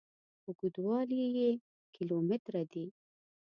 اوږدوالي یې کیلو متره دي.